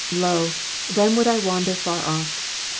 ''Lo, then would I wander far off.'